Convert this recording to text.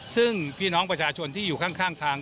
ซึ่งพี่น้องประชาชนที่อยู่ข้างทาง